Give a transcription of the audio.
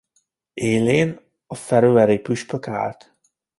Élén a feröeri püspök állt.